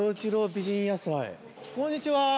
こんにちは！